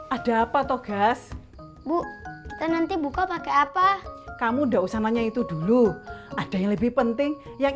ada apa togas buka pakai apa kamu udah usah nanya itu dulu ada yang lebih penting yang